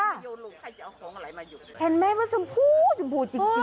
โยนลงใครจะเอาของอะไรมาหยุดเห็นไหมว่าชมพูชมพูจริงจริง